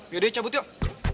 yaudah cabut yuk